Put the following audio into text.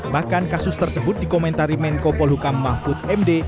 bahkan kasus tersebut dikomentari menko polhukam mahfud md